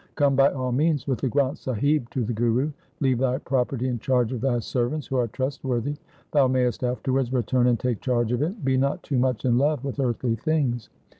Come by all means with the Granth Sahib to the Guru. Leave thy property in charge of thy servants, who are trustworthy. Thou mayest afterwards return and take charge of it. Be not too much in love with earthly things.